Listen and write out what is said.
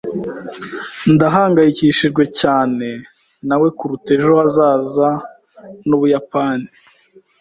Ndahangayikishijwe cyane nawe kuruta ejo hazaza h’Ubuyapani.